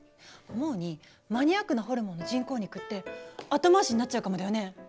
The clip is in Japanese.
思うにマニアックなホルモンの人工肉って後回しになっちゃうかもだよね？